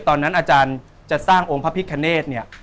ตอนนั้นอาจารย์จะสร้างองค์พระพิษคเนต